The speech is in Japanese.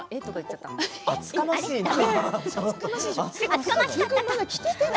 厚かましいな。